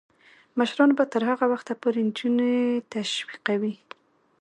مشران به تر هغه وخته پورې نجونې تشویقوي.